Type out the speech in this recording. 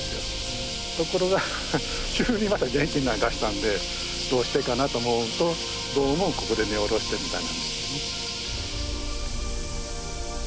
ところが急にまた元気になりだしたんでどうしてかなと思うとどうもここで根を下ろしてるみたいなんですよね。